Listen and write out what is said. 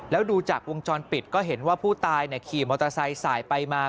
แล้วดูจากวงจรปิดก็เห็นว่าผู้ตายขี่มอเตอร์ไซค์สายไปมา